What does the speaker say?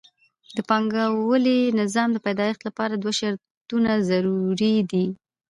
د پانګوالي نظام د پیدایښت لپاره دوه شرطونه ضروري دي